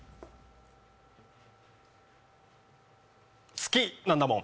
好き、なんだもん。